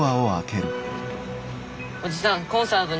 おじさんコンサートに来て。